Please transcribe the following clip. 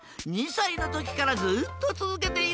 ２さいのときからずっとつづけているんだ。